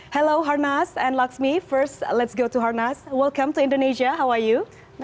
halo harnas dan laksmi pertama kita akan berbincang dengan harnas selamat datang di indonesia bagaimana dengan anda